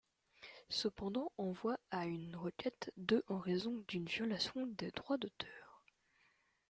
Cependant envoie à une requête de en raison d’une violation des droits d’auteur.